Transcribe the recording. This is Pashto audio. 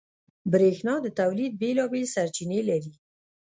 برېښنا د تولید بېلابېل سرچینې لري.